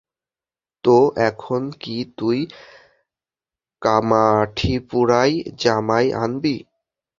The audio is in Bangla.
তো এখন কি তুই কামাঠিপুরায় জামাই আনবি?